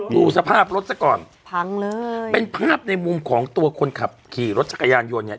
ดูสภาพรถซะก่อนพังเลยเป็นภาพในมุมของตัวคนขับขี่รถจักรยานยนต์เนี่ย